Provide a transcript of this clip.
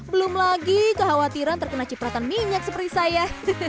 belum lagi kekhawatiran terkena cipratan minyak seperti saya